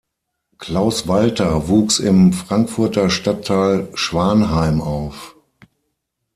Klaus Walter wuchs im Frankfurter Stadtteil Schwanheim auf.